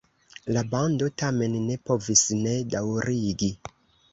La bando tamen ne povis ne daŭrigi.